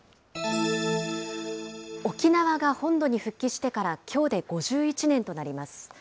沖縄が本土に復帰してからきょうで５１年となります。